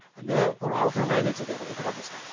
この青木さんの悩みについてはいかがですか？